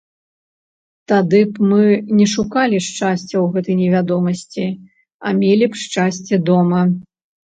Тады б мы не шукалі шчасця ў гэтай невядомасці, а мелі б шчасце дома.